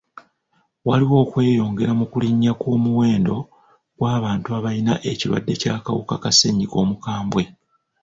Waliwo okweyongera mu kulinnya kw'omuwendo gw'abantu abayina ekirwadde ky'akawuka ka ssennyiga omukambwe.